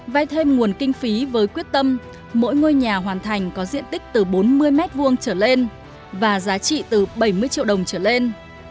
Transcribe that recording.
vay thêm nguồn kinh phí với quyết tâm mỗi ngôi nhà hoàn thành có diện tích từ bốn mươi m hai trở lên và giá trị từ bảy mươi triệu đồng trở lên